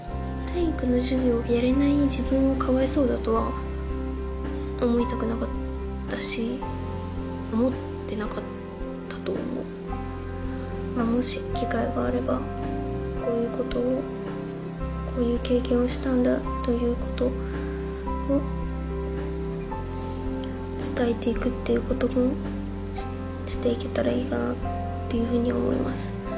体育の授業をやれない自分をかわいそうだとは思いたくなかったし思ってなかったと思うまあもし機会があればこういうことをこういう経験をしたんだということを伝えていくっていうこともしていけたらいいかなっていうふうに思います